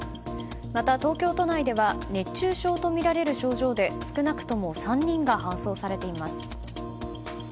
また、東京都内では熱中症とみられる症状で少なくとも３人が搬送されています。